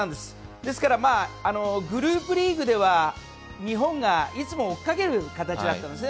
ですからグループリーグでは日本がいつも追っかける形だったんですね。